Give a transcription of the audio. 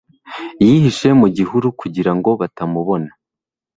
Yihishe mu gihuru kugira ngo batamubona